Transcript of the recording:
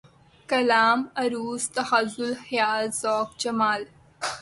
کلام ، عَرُوض ، تغزل ، خیال ، ذوق ، جمال